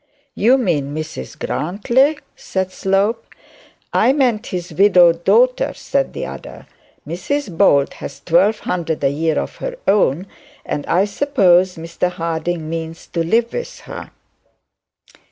'You mean Mrs Grantly,' said Slope. 'I meant the widowed daughter,' said the other. 'Mrs Bold has twelve hundred a year of her own, and I suppose Mr Harding means to live with her.'